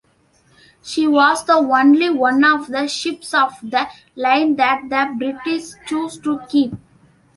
She was the only one of the ships-of-the-line that the British chose to keep.